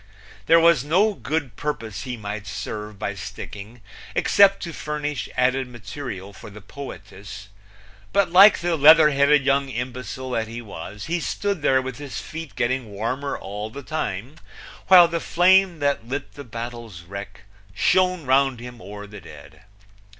There was no good purpose he might serve by sticking, except to furnish added material for the poetess, but like the leather headed young imbecile that he was he stood there with his feet getting warmer all the time, while the flame that lit the battle's wreck shone round him o'er the dead.